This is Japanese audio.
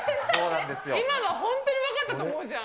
今の本当に分かったと思うじゃん。